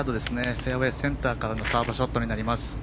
フェアウェーセンターからのサードショットになります。